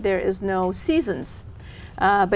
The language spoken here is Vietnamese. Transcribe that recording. tôi không nghĩ